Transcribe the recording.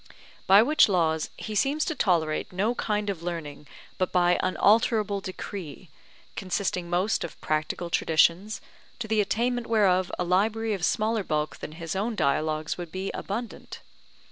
By which laws he seems to tolerate no kind of learning but by unalterable decree, consisting most of practical traditions, to the attainment whereof a library of smaller bulk than his own Dialogues would be abundant.